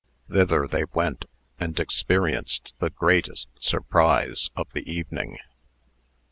Thither they went, and experienced the greatest surprise of the evening.